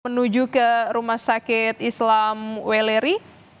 menuju ke rumah sakit islam weleri